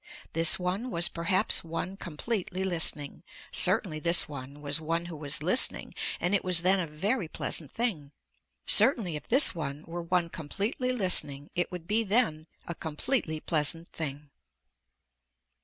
This one was perhaps one completely listening, certainly this one was one who was listening and it was then a very pleasant thing, certainly if this one were one completely listening it would be then a completely pleasant thing.